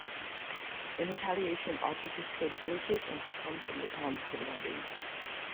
In retaliation, Otto destroyed villages and farms in the town's surroundings.